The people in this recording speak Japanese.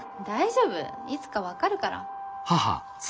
大丈夫いつか分かるから。